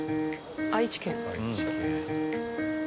愛知県。